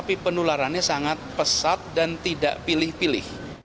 ini sangat pesat dan tidak pilih pilih